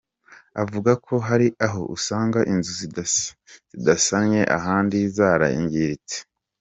Avuga ko hari aho usanga inzu zidasannye ahandi zarangiritse.